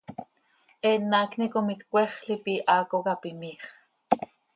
Eenm haacni com itcmexl ipi, haaco cap imiiix.